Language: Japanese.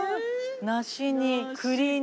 梨に栗に。